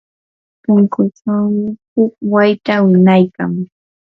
punkuchawmi huk wayta winaykan.